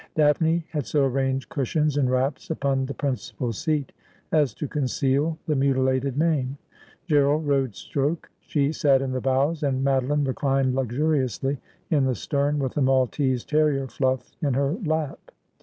Daphne had so arranged cushions and wraps upon the principal seat as to conceal the mutilated name. Gerald rowed stroke, she sat in the bows, and Madoliae reclined luxuriously in the stern with the Maltese terrior Fluff in her lap.